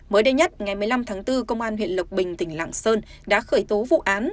mới đây nhất ngày một mươi năm tháng bốn công an huyện lộc bình tỉnh lạng sơn đã khởi tố vụ án